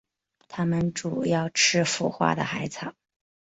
它们主要吃腐化的海草。